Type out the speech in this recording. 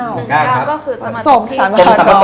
หนึ่งก้าวก็คือสมรรถกลีกกลมสรรพากร